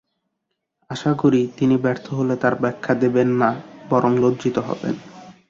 আশা করি, তিনি ব্যর্থ হলে তার ব্যাখ্যা দেবেন না, বরং লজ্জিত হবেন।